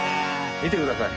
見てください。